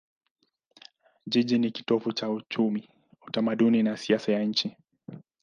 Jiji ni kitovu cha uchumi, utamaduni na siasa ya nchi.